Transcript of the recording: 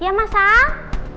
ya mas al